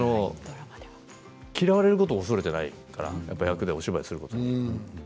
嫌われることを恐れていないから役でお芝居することに。